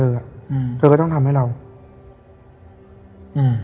อ่ะอืมเธอก็ต้องทำให้เราอืม